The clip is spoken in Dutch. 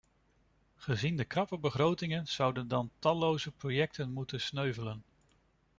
Gezien de krappe begrotingen zouden dan talloze projecten moeten sneuvelen.